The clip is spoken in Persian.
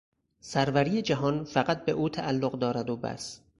سروری جهان فقط به او تعلق دارد و بس.